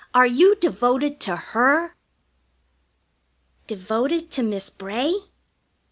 Are you devoted to her?" "Devoted to Miss Bray?